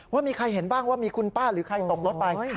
ว่ามีใครเห็นบ้างว่ามีคุณป้าหรือใครตกรถไป